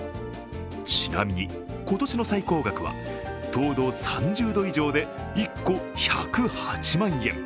ちなみに今年の最高額は糖度３０度以上で１個１０８万円。